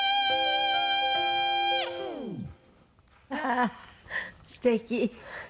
ああーすてき。